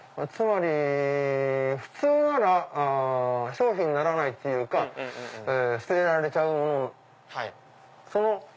つまり普通なら商品にならないっていうか捨てられちゃうもの。